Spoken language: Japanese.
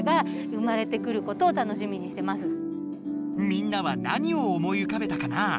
みんなは何を思いうかべたかなぁ？